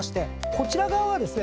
こちら側はですね